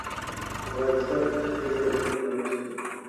افغانستان پنځه زره کلن تاریخ لری